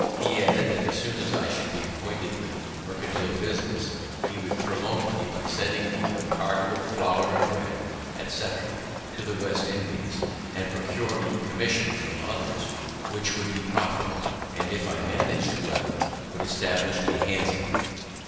He added, that, as soon as I should be acquainted with mercantile business, he would promote me by sending me with a cargo of flour and bread, etc., to the West Indies, and procure me commissions from others which would be profitable; and, if I manag'd well, would establish me handsomely.